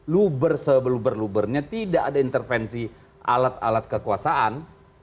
luber luber lubernya tidak ada intervensi alat alat kekuasaan